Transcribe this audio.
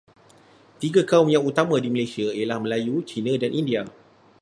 Tiga kaum yang utama di Malaysia ialah Melayu, Cina dan India.